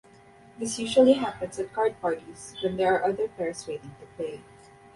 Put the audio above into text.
This usually happens at card parties when there are other pairs waiting to play.